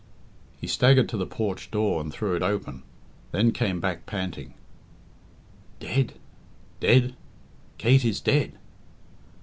He staggered to the porch door and threw it open, then came back panting "Dead! dead! Kate is dead!"